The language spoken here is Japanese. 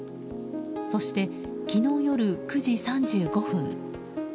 そして、昨日夜９時３５分。